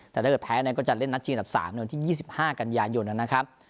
แต่ถ้าเกิดแพ้ก็จะเล่นนัดจีนตัดสามหนึ่งวันที่ยี่สิบห้ากันยายนแล้วนะครับ